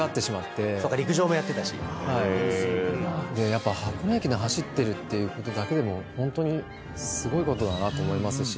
やっぱ箱根駅伝走ってるっていうことだけでもホントにすごいことだなと思いますし。